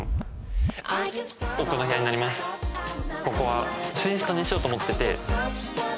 ここは寝室にしようと思ってて。